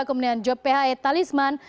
kemudian job phe talisman